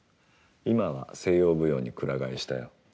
今は西洋舞踊に鞍替えしたよ。